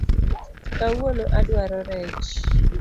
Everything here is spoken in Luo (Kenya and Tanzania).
Kawuono adwaro rech